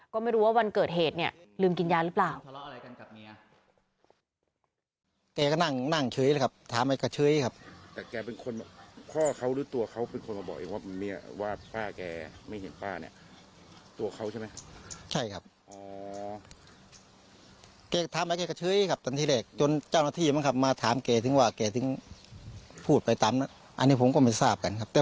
ก็ไม่รู้ว่าวันเกิดเหตุเนี่ยลืมกินยาหรือเปล่า